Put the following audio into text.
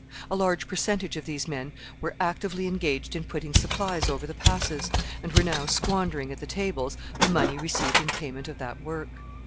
A large percentage of these men were actively engaged in putting supplies over the Passes, and were now squandering at the tables the money received in payment of that work.